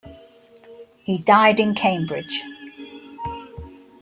He died in Cambridge.